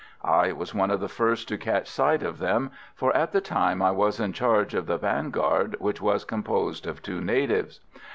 I was one of the first to catch sight of them, for at the time I was in charge of the vanguard, which was composed of two natives.